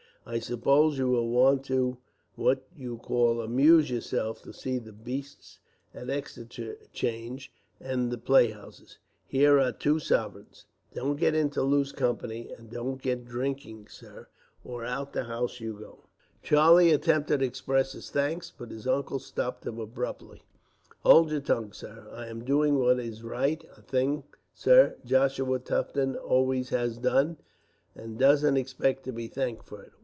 "I suppose you will want to, what you call amuse yourself, to see the beasts at Exeter Change, and the playhouses. Here are two sovereigns. Don't get into loose company, and don't get drinking, sir, or out of the house you go." Charlie attempted to express his thanks, but his uncle stopped him abruptly. "Hold your tongue, sir. I am doing what is right; a thing, sir, Joshua Tufton always has done, and doesn't expect to be thanked for it.